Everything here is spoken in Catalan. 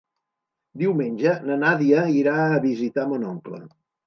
Diumenge na Nàdia irà a visitar mon oncle.